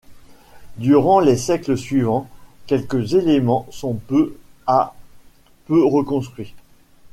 Durant les siècles suivants, quelques éléments sont peu à peu reconstruits.